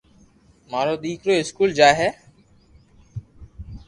مارو دآڪرو اسڪول جائي ھي